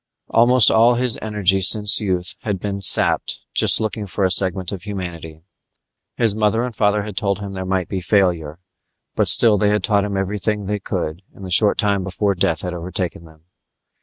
Almost all his energy since youth had been sapped just looking for a segment of humanity. His mother and father had told him there might be failure, but still they had taught him everything they could in the short time before death had overtaken them.